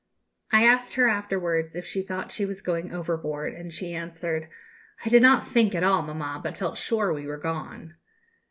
I asked her afterwards if she thought she was going overboard, and she answered, "I did not think at all, mamma, but felt sure we were gone."